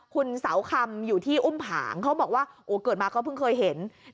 คุณเสาคำอยู่ที่อุ้มผางเขาบอกว่าโอ้เกิดมาก็เพิ่งเคยเห็น